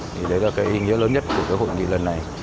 thì đấy là cái ý nghĩa lớn nhất của cái hội nghị lần này